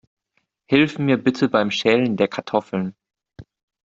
Hilf mir bitte beim Schälen der Kartoffeln.